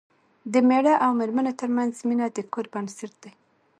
د مېړه او مېرمنې ترمنځ مینه د کور بنسټ دی.